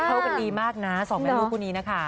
เข้ากันดีมากนะสองแม่ลูกคู่นี้นะคะ